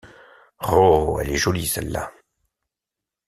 Roh elle est jolie, celle-là. ..